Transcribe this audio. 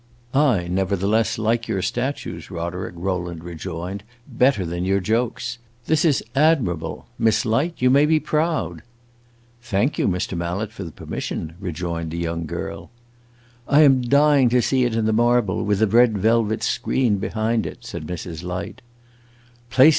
"I nevertheless like your statues, Roderick," Rowland rejoined, "better than your jokes. This is admirable. Miss Light, you may be proud!" "Thank you, Mr. Mallet, for the permission," rejoined the young girl. "I am dying to see it in the marble, with a red velvet screen behind it," said Mrs. Light.